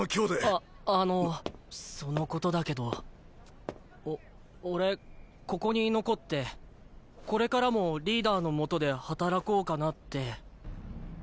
ああのそのことだけどお俺ここに残ってこれからもリーダーの下で働こうかなって。